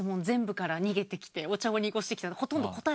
お茶を濁してきたんで。